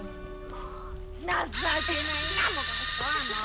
情けないなもうこの人はもう！